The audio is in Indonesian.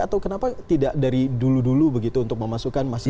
atau kenapa tidak dari dulu dulu begitu untuk memasukkan